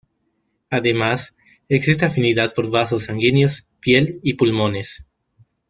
Además existe afinidad por vasos sanguíneos, piel y pulmones.